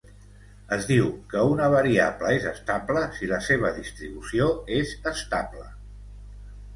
Es diu que una variable és estable si la seva distribució és estable.